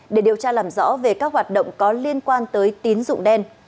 để điều tra làm rõ về các hoạt động có liên quan tới tín dụng đen